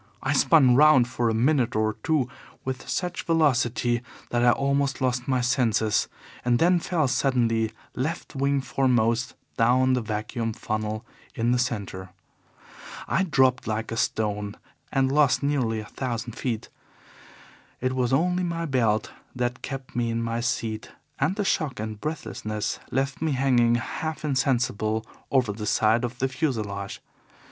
I spun round for a minute or two with such velocity that I almost lost my senses, and then fell suddenly, left wing foremost, down the vacuum funnel in the centre. I dropped like a stone, and lost nearly a thousand feet. It was only my belt that kept me in my seat, and the shock and breathlessness left me hanging half insensible over the side of the fuselage.